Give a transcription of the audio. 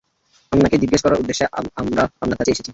আপনাকে জিজ্ঞেস করার উদ্দেশ্যে আমরা আপনার কাছে এসেছি।